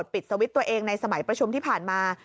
ปิดสวิตช์ตัวเองในสมัยประชุมที่ผ่านมา